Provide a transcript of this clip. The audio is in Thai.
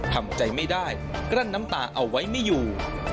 ทำใจไม่ได้กลั้นน้ำตาเอาไว้ไม่อยู่